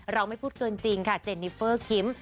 เราไม่พูดเกินจริงค่ะเจนนิเฟอร์คิม